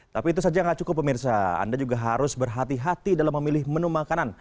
tapi itu saja tidak cukup pemirsa anda juga harus berhati hati dalam memilih menu makanan